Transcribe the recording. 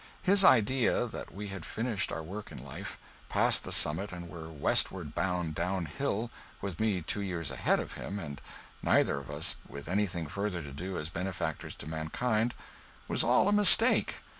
His idea that we had finished our work in life, passed the summit and were westward bound down hill, with me two years ahead of him and neither of us with anything further to do as benefactors to mankind, was all a mistake.